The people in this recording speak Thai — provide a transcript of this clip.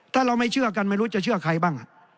ถ้าเราไม่เชื่อกันไม่รู้จะเชื่อใครบ้าง